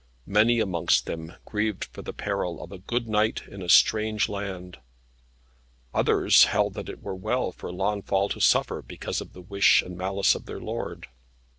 Many amongst them grieved for the peril of a good knight in a strange land; others held that it were well for Launfal to suffer, because of the wish and malice of their lord.